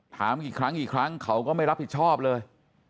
ถามกี่ครั้งกี่ครั้งเขาก็ไม่รับผิดชอบเลย